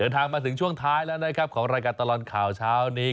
ทางมาถึงช่วงท้ายแล้วนะครับของรายการตลอดข่าวเช้านี้